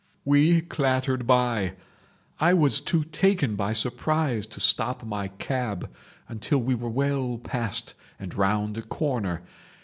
"We clattered by—I too taken by surprise to stop my cab until we were well past and round a corner.